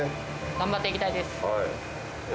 頑張っていきたいです。